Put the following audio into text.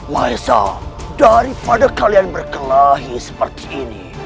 maisa daripada kalian berkelahi seperti ini